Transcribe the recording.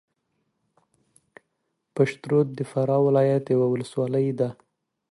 پشترود د فراه ولایت یوه ولسوالۍ ده